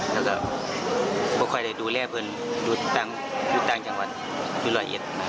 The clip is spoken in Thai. และแบบปกติดูแรงเพิ่มดูตรังจังหวัดดูรอยเอ็ด